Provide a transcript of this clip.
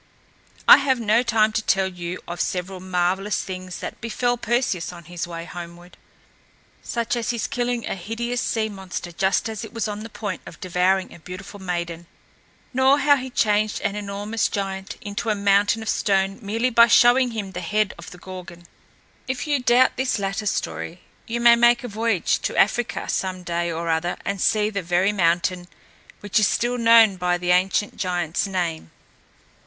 I have no time to tell you of several marvelous things that befell Perseus on his way homeward, such as his killing a hideous sea monster just as it was on the point of devouring a beautiful maiden, nor how he changed an enormous giant into a mountain of stone merely by showing him the head of the Gorgon. If you doubt this latter story, you may make a voyage to Africa some day or other and see the very mountain, which is still known by the ancient giant's name.